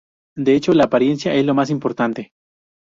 De hecho, la apariencia es lo más importante.